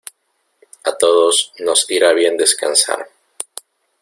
A todos nos irá bien descansar.